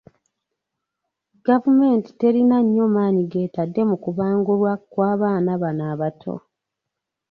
Gavumenti terina nnyo maanyi g'etadde mu kubangulwa kwa baana bano abato.